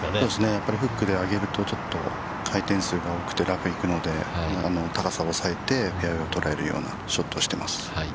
やっぱりフックで上げると、ちょっと回転数が多くて、ラフに行くので、高さを抑えてフェアウェイを捉えるようなショットをしてます。